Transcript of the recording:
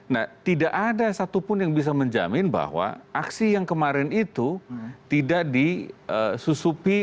nah tidak ada satupun yang bisa menjamin bahwa aksi yang kemarin itu tidak disusupi